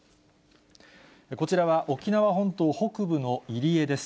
こちらは沖縄本島北部の入江です。